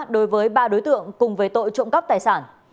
đối với ba đối tượng cùng về tội trộm cắp tài sản